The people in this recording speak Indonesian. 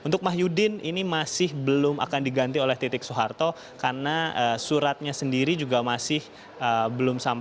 titi soeharto menjawab